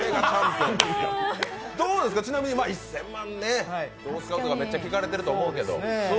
ちなみに１０００万どう使うのかめっちゃ聞かれてると思うけど。